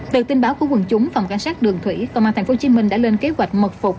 từ tin báo của quân chúng phòng cảnh sát đường thủy công an tp hcm đã lên kế hoạch mật phục